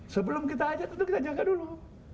sebelum kita ajak tentu kita jaga dulu